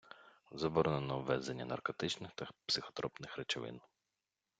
Заборонено ввезення наркотичних та психотропних речовин.